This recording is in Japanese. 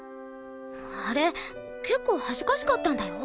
あれ結構恥ずかしかったんだよ？